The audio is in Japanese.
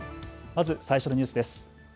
まず最初のニュースです。